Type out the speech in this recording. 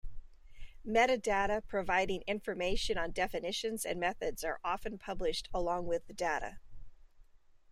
Metadata providing information on definitions and methods are often published along with the data.